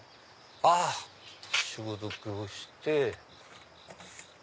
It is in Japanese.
あっ消毒をして。